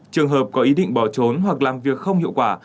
trường hợp có ý định bỏ trốn hoặc làm việc không hiệu quả